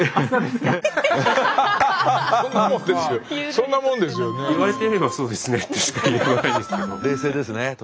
そんなもんですよね。